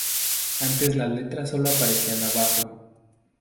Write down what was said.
Antes las letras solo aparecían abajo.